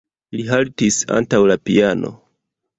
Li haltis antaŭ la piano.